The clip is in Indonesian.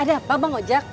ada apa bang ojak